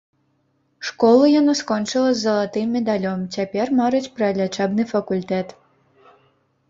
Школу яна скончыла з залатым медалём, цяпер марыць пра лячэбны факультэт.